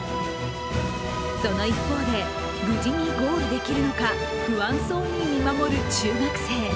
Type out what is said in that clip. その一方で、無事にゴールできるのか、不安そうに見守る中学生。